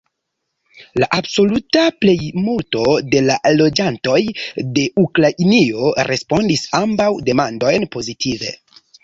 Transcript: La absoluta plejmulto de la loĝantoj de Ukrainio respondis ambaŭ demandojn pozitive.